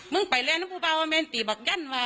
มึงไปแล้วน้องผู้บาวเป็นคือบ่กย้านวา